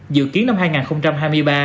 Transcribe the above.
dự kiến năm hai nghìn hai mươi ba